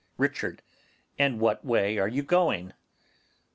Richard. And what way are you going?